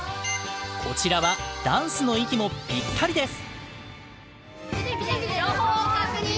こちらはダンスの息もピッタリです！